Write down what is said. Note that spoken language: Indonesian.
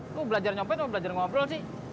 lo belajar nyopet mau belajar ngobrol sih